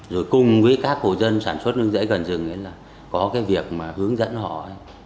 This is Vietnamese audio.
rồi cùng với các hộ dân sản xuất rừng rẫy gần rừng là có cái việc mà hướng dẫn họ